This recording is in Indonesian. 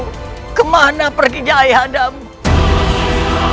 saya baru bitanya pergi empat tahun ini